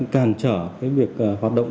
càn trở cái việc hoạt động